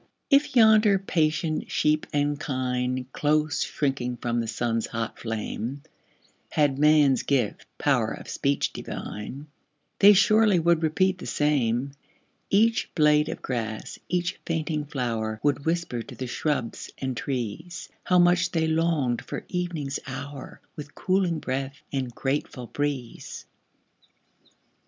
If yonder patient sheep and kine, Close shrinking from the sun's hot flame, Had man's gift "power of speech divine," They surely would repeat the same Each blade of grass, each fainting flower, Would whisper to the shrubs and trees, How much they longed for evening's hour, With cooling breath and grateful breeze.